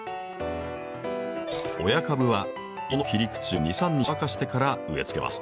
親株はイモの切り口を２３日乾かしてから植えつけます。